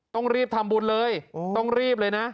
ต้องรีบทำบุญเลยต้องรีบเลยนะ